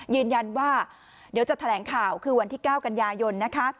ยืนยันว่าเดี๋ยวจะแถลงข่าวคือวันที่๙กันยายนนะคะ